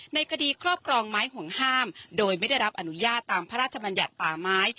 ในคดีครอบครองไม้ห่วงห้ามโดยไม่ได้รับอนุญาตตามพระราชบัญญัติป่าไม้